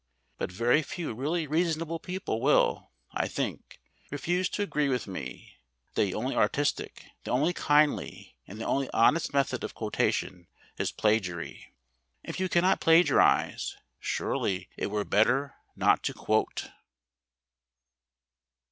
But very few really reasonable people will, I think, refuse to agree with me that the only artistic, the only kindly, and the only honest method of quotation is plagiary. If you cannot plagiarise, surely it were better not to quote.